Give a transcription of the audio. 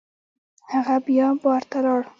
هغه بیا بار ته لاړ.